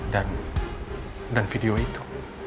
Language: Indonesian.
dan dan video itu